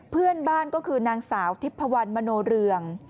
เพื่อนบ้านก็คือนางสาวทิพพวันมโนเรือง